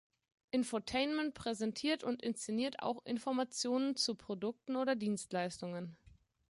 Infotainment präsentiert und inszeniert auch Informationen zu Produkten oder Dienstleistungen.